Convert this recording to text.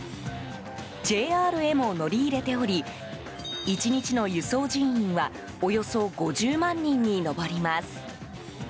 ＪＲへも乗り入れており１日の輸送人員はおよそ５０万人に上ります。